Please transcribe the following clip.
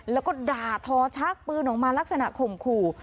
แล้วก็ด่าทอชักปืนออกมาลักษณะข่มขู่